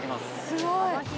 すごい。